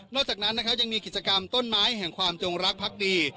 จากนั้นนะครับยังมีกิจกรรมต้นไม้แห่งความจงรักพักดี